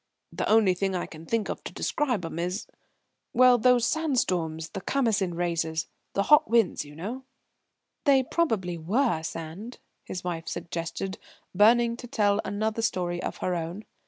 The only thing I can think of to describe 'em is well, those sand storms the Khamasin raises the hot winds, you know." "They probably were sand," his wife suggested, burning to tell another story of her own.